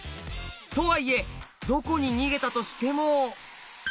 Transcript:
とはいえどこに逃げたとしても。